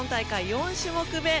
４種目め。